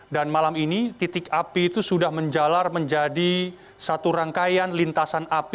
dan malam ini titik api itu sudah menjalar menjadi satu rangkaian lintasan api